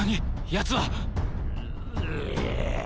やつは。